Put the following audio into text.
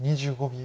２５秒。